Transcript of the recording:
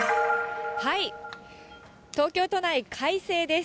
東京都内、快晴です。